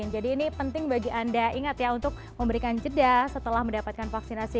jadi ini penting bagi anda ingat ya untuk memberikan jeda setelah mendapatkan vaksinasi covid sembilan belas